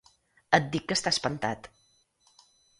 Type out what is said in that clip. Et dic que està espantat.